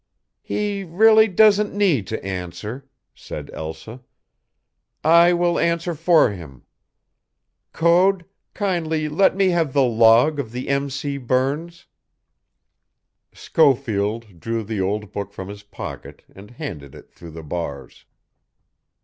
"He really doesn't need to answer," said Elsa. "I will answer for him. Code kindly let me have the log of the M. C. Burns." Schofield drew the old book from his pocket and handed it through the bars.